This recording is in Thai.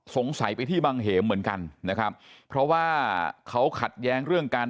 สงสัยไปที่บังเหมเหมือนกันนะครับเพราะว่าเขาขัดแย้งเรื่องการ